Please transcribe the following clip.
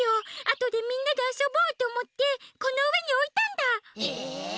あとでみんなであそぼうとおもってこのうえにおいたんだ！え！？